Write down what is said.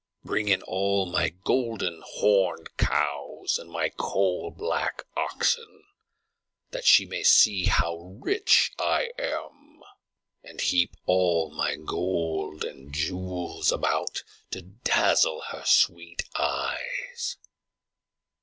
Bring in all my golden horned cows and my coal black oxen, that she may see how rich I am, and heap all my gold and jewels about to dazzle her sweet eyes!